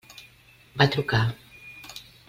Va trucar.